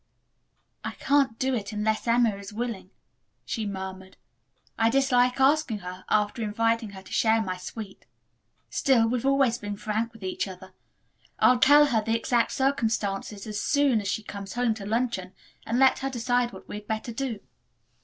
"I can't do it unless Emma is willing," she murmured. "I dislike asking her after inviting her to share my suite. Still, we've always been frank with each other. I'll tell her the exact circumstances as soon as she comes home to luncheon, and let her decide what we had better do."